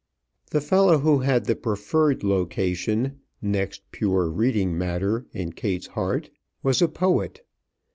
The fellow who had the preferred location next pure reading matter in Kate's heart was a poet.